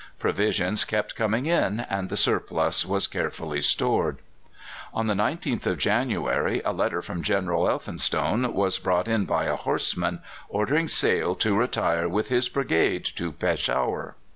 Provisions kept coming in, and the surplus was carefully stored. On the 9th of January a letter from General Elphinstone was brought in by a horseman, ordering Sale to retire with his brigade to Peshawar.